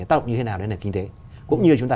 tác động như thế nào đến nền kinh tế cũng như chúng ta